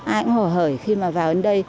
ai cũng hổ hởi khi mà vào đến đây